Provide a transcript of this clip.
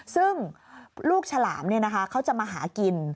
ซึ่งลูกฉลามเนี่ยนะคะเขาจะมาหากิน